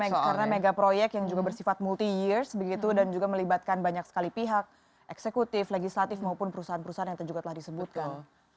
karena mega proyek yang juga bersifat multi years dan juga melibatkan banyak sekali pihak eksekutif legislatif maupun perusahaan perusahaan yang juga telah disebutkan